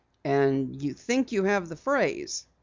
"And you think you have the phrase?"